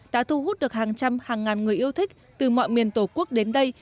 đã thu hút được hàng trăm hàng ngàn người yêu thích từ mọi miền tổ quốc đến đây